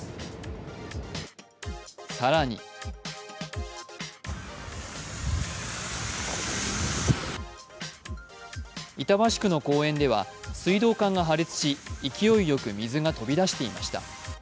更に板橋区の公園では水道管が破裂し勢いよく水が飛び出していました。